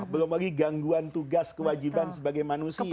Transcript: belum lagi gangguan tugas kewajiban sebagai manusia